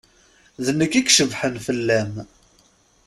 D nekk i icebḥen fell-am.